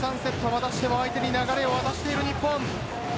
またしても相手に流れを渡している日本。